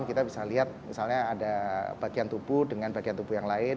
kita bisa lihat misalnya ada bagian tubuh dengan bagian tubuh yang lain